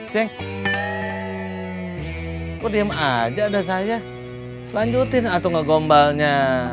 ceng kok diem aja udah saya lanjutin atau ngegombalnya